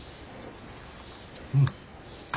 うん。